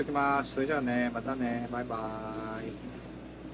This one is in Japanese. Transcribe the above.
それじゃあねまたねバイバイ。